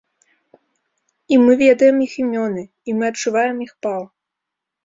І мы ведаем іх імёны, і мы адчуваем іх пал.